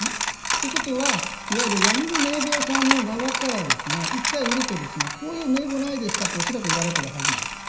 ということはいわゆる闇の名簿屋さんの側から１回売るとこういう名簿がないですかと恐らく言われているはずなんです。